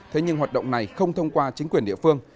thế nhưng hoạt động này không thông qua chính quyền địa phương